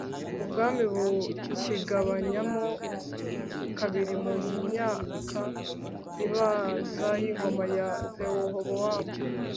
ubwami bukigabanyamo kabiri mu myaka ibanza y'ingoma ya rehobowamu